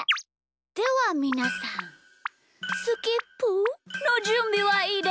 ではみなさんスキップゥのじゅんびはいいですか？